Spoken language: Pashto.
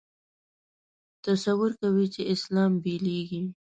تصور کوي چې اسلام بېلېږي.